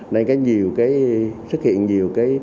nên có nhiều cái xuất hiện nhiều cái